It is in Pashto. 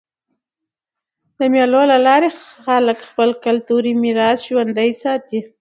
د مېلو له لاري خلک خپل کلتوري میراث ژوندى ساتي.